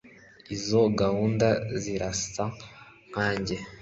Izo gahunda zirasa nkanjye